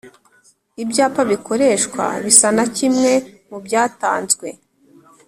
Ibyapa bikoreshwa bisa na kimwe mu byatanzweho